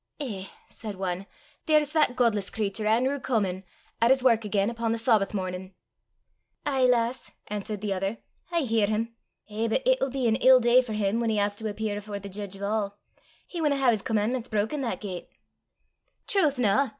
"Eh," said one, "there's that godless cratur, An'rew Comin, at his wark again upo' the Sawbath mornin'!" "Ay, lass," answered the other, "I hear him! Eh, but it'll be an ill day for him whan he has to appear afore the jeedge o' a'! He winna hae his comman'ments broken that gait!" "Trowth, na!"